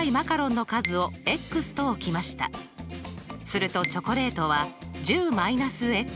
するとチョコレートは１０−。